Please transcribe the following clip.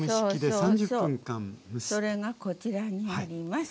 それがこちらにあります。